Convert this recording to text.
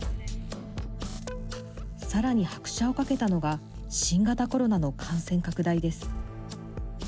さらに拍車をかけたのが新型コロナの感染拡大です。